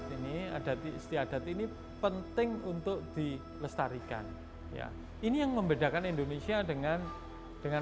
ini adat istiadat ini penting untuk dilestarikan ya ini yang membedakan indonesia dengan dengan